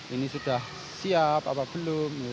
ini sudah siap apa belum